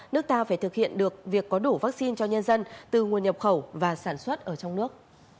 nước ta phải thực hiện được việc có đủ vaccine cho nhân dân từ nguồn nhập khẩu và sản xuất ở trong nước